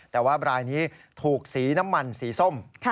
แต่ว่ารายนี้ถูกสีน้ำมันสีส้ม